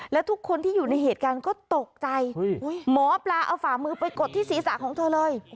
และทุกคนที่อยู่ในเหตุการณ์ก็ตกใจหมอปลาเอาฝ่ามือไปกดที่ศีรษะของเธอเลย